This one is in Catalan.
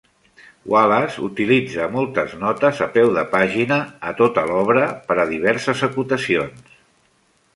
Wallace utilitza moltes notes a peu de pàgina a tota l'obra per a diverses acotacions.